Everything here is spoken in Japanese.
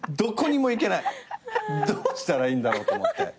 どうしたらいいんだろうと思って。